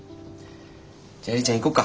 じゃ映里ちゃん行こうか。